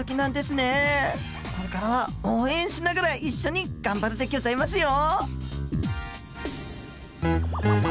これからは応援しながら一緒に頑張るでギョざいますよ！